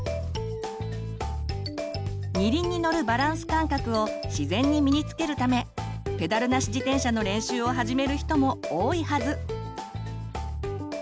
「二輪」に乗るバランス感覚を自然に身につけるためペダルなし自転車の練習を始める人も多いはず。